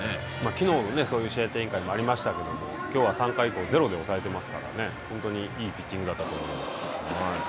きのうもそういう試合展開がありましたけれどもきょうは３回以降、ゼロで抑えていますから、本当にいいピッチングだと思います。